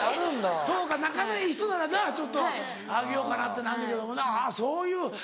そうか仲のいい人ならなちょっとあげようかなってなんねんけどもなあっそういう。